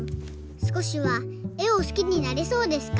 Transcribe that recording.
すこしはえをすきになれそうですか？